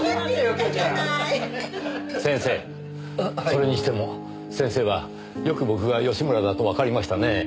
それにしても先生はよく僕が吉村だとわかりましたねぇ。